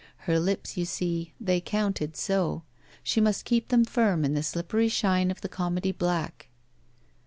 Her lips, you see, they counted so! She must keep them firm in the slippery shine of the comedy black.